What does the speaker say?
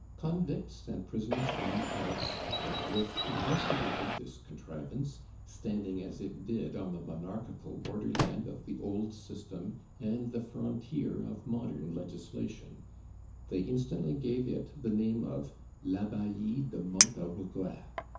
Convicts and prisoners from the hulks forthwith investigated this contrivance, standing as it did on the monarchical borderland of the old system and the frontier of modern legislation; they instantly gave it the name of l'Abbaye de Monte a Regret.